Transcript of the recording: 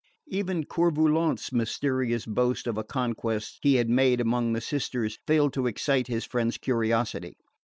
Even Coeur Volant's mysterious boast of a conquest he had made among the sisters failed to excite his friend's curiosity.